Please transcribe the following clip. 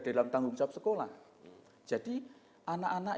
dalam tanggung jawab sekolah jadi anak anak